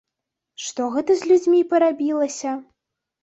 Што гэта з людзьмі парабілася?